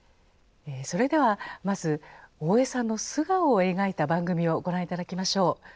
それではまず大江さんの素顔を描いた番組をご覧頂きましょう。